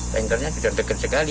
tankernya sudah dekat sekali